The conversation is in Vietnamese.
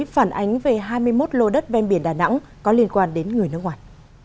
phản ánh về hai mươi một lô đất ven biển đà nẵng có liên quan đến người nước ngoài